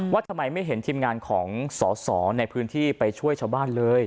ว่าทำไมไม่เห็นทีมงานของสอสอในพื้นที่ไปช่วยชาวบ้านเลย